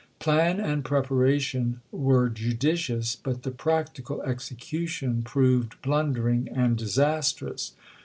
Plan and prepara tion were judicious, but the practical execution proved blundering and disastrous.